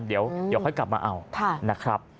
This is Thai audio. เดี๋ยวค่อยกลับมาเอานะครับ